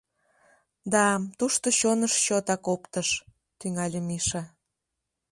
— Да, тушто чоныш чотак оптыш, — тӱҥале Миша.